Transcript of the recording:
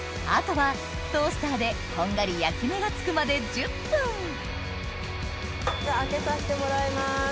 あとはトースターでこんがり焼き目がつくまで１０分開けさせてもらいます。